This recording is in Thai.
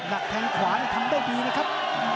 หลักแทงขวาทำได้ดีนะครับ